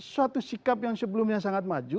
suatu sikap yang sebelumnya sangat maju